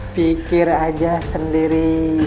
pikir aja sendiri